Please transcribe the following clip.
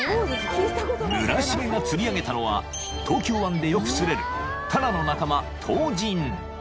［村重が釣り上げたのは東京湾でよく釣れるタラの仲間トウジン］